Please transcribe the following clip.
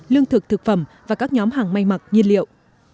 lương thực thực phẩm và các nhóm hàng may mặc nhiên liệu